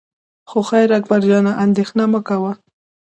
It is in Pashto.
خو خیر اکبر جانه اندېښنه مه کوه.